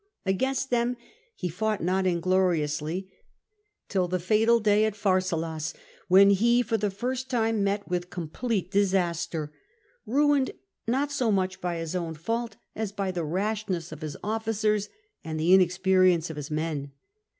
Against them he fought not ingloriously, till the fatal day at Pharsalus, when he for the first time met with complete disaster, ruined not so much by his own fault as by the rashness of his officers and the inexperience of his men.